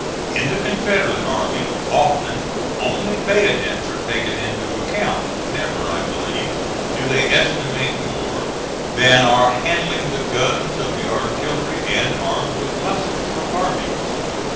In the Confederate army often only bayonets are taken into account, never, I believe, do they estimate more than are handling the guns of the artillery and armed with muskets (*36) or carbines.